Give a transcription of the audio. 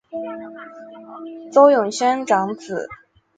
邹永煊长子。